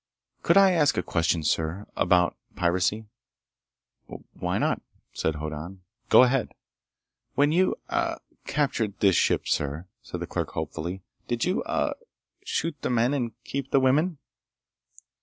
"Could I ask a question, sir, about piracy?" "Why not?" asked Hoddan. "Go ahead." "When you ... ah ... captured this ship, sir," said the clerk hopefully, "did you ... ah ... shoot the men and keep the women?"